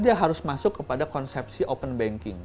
dia harus masuk kepada konsepsi open banking